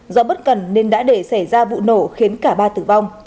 do bất cần nên đã để xảy ra vụ nổ khiến cả ba tử vong